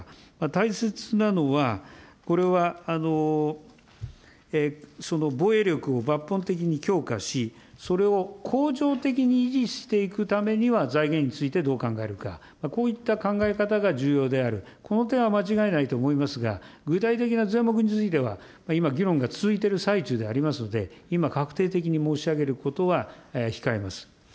大切なのは、これは、防衛力を抜本的に強化し、それを恒常的に維持していくためには財源についてどう考えるか、こういった考え方が重要である、この点は間違いないと思いますが、具体的な税目については、いま議論が続いている最中でありますので、今、確定的に申し上げることは控えます。